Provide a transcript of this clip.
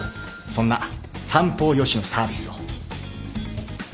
そんな三方よしのサービスを